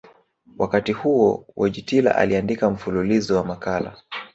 Wakati huo Wojtyla aliandika mfululizo wa makala